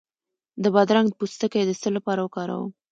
د بادرنګ پوستکی د څه لپاره وکاروم؟